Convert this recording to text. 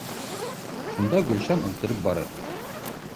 Шунда Гөлшан ултырып барыр